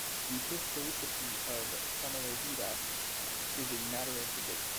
The historicity of Samyogita is a matter of debate.